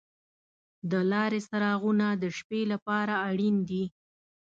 د لارې څراغونه د شپې لپاره اړین دي.